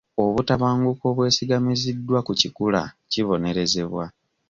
Obutabanguko obwesigamiziddwa ku kikula kibonerezebwa.